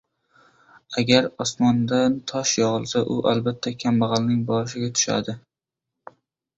• Agar osmondan tosh yog‘ilsa, u albatta kambag‘alning boshiga tushadi.